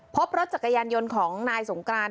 พบรถจักรยานยนต์ของนายสงกราน